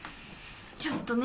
ちょっとね。